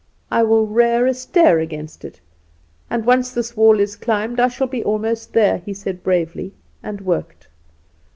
'I will rear a stair against it; and, once this wall climbed, I shall be almost there,' he said bravely; and worked.